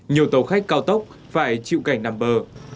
nhiều tàu khách cao tốc phải chịu cảnh nằm bờ